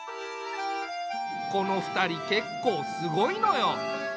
この２人結構すごいのよ。